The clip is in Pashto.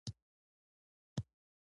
که ګټه یې محسوسه نه وه.